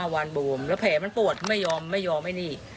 วานบูมแล้วแผลมันปวดไม่ยอมไม่ยอมไอ้นี่